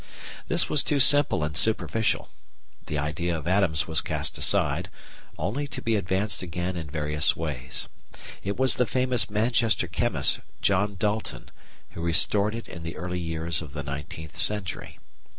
This was too simple and superficial. The idea of atoms was cast aside, only to be advanced again in various ways. It was the famous Manchester chemist, John Dalton, who restored it in the early years of the nineteenth century.